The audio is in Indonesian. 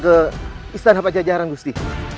ke istana pajajaran gusdi